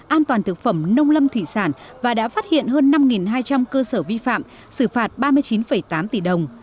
an toàn thực phẩm nông lâm thủy sản và đã phát hiện hơn năm hai trăm linh cơ sở vi phạm xử phạt ba mươi chín tám tỷ đồng